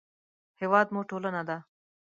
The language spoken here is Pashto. هېواد مو ټولنه ده